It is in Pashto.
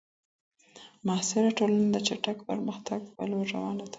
معاصره ټولنه د چټک پرمختګ په لور روانه وه.